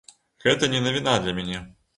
Гэта не навіна для мяне.